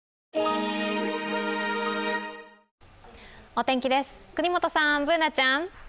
お天気です、國本さん、Ｂｏｏｎａちゃん。